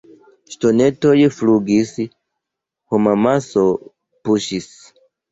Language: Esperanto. Ŝtonetoj flugis; homamaso puŝis.